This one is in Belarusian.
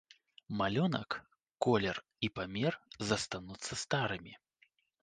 Малюнак, колер і памер застануцца старымі.